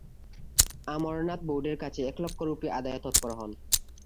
অমরনাথ বোর্ডের কাছে এক লক্ষ রূপী আদায়ে তৎপর হন।